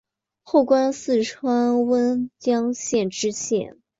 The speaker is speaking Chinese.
后官四川温江县知县。